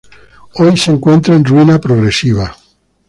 Hoy se encuentra en ruina progresiva.